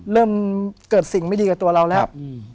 เริ่มเกิดสิ่งไม่ดีกับตัวเราแล้ว